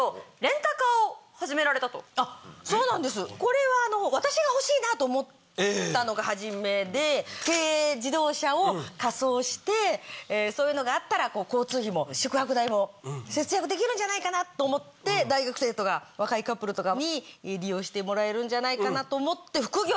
そうなんですこれは私が欲しいなと思ったのがはじめで軽自動車を架装してそういうのがあったら交通費も宿泊代も節約できるんじゃないかなと思って大学生とか若いカップルとかに利用してもらえるんじゃないかなと思って。